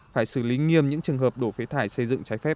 phải xử lý nghiêm những trường hợp đổ phế thải xây dựng trái phép